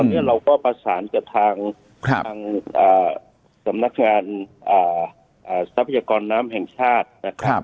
วันนี้เราก็ประสานกับทางสำนักงานทรัพยากรน้ำแห่งชาตินะครับ